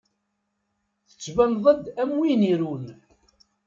Tettbineḍ-d am win irun.